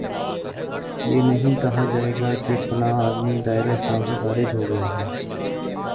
یہ نہیں کہا جائے گا کہ فلاں آدمی دائرۂ اسلام سے خارج ہو گیا ہے